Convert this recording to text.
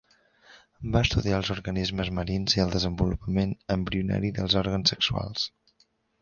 Va estudiar els organismes marins i el desenvolupament embrionari dels òrgans sexuals.